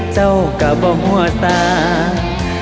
เจ้าก็บ่หัวตา